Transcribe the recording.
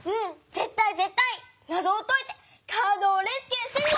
ぜったいぜったいなぞをといてカードをレスキューしてみせる！